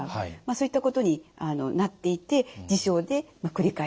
そういったことになっていって自傷で繰り返してしまう。